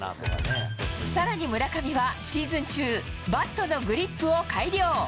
さらに村上はシーズン中、バットのグリップを改良。